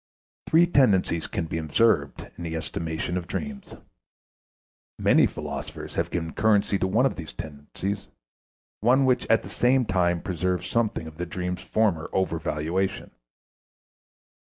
Three tendencies can be observed in the estimation of dreams. Many philosophers have given currency to one of these tendencies, one which at the same time preserves something of the dream's former over valuation.